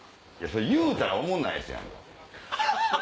言うたらおもんないですやんか。